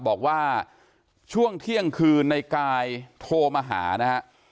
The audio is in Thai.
บอกว่าช่วงเที่ยงคืนในกายโทรมาหานะฮะ